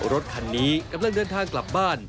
รถคันนี้กำลังเดินทางกลับบ้าน